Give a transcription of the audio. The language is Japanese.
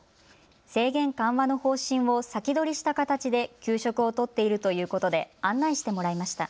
制限緩和の方針を先取りした形で給食をとっているということで案内してもらいました。